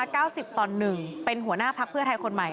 อันดับ๙๐ตอน๑เป็นหัวหน้าภักษ์เพื่อไทยคนใหม่